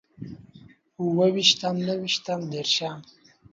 اوويشتم، نهويشتم، ديرشم